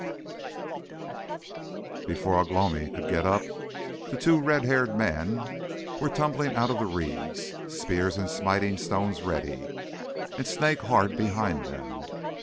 But before Ugh lomi could get up, the two red haired men were tumbling out of the reeds, spears and smiting stones ready, and Snake hard behind them.